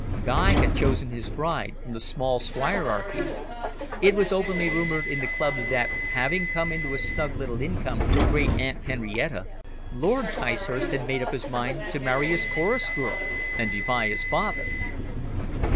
Guy had chosen his bride from the small squirearchy. It was openly rumoured in the clubs that, having come into a snug little income from great aunt Henrietta, Lord Ticehurst had made up his mind to marry his chorus girl, and defy his father.